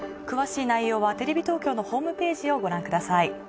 詳しい内容はテレビ東京のホームページをご覧ください。